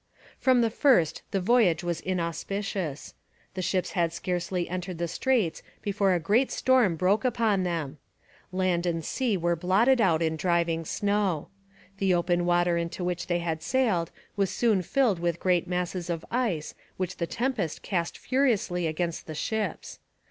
From the first the voyage was inauspicious. The ships had scarcely entered the straits before a great storm broke upon them. Land and sea were blotted out in driving snow. The open water into which they had sailed was soon filled with great masses of ice which the tempest cast furiously against the ships.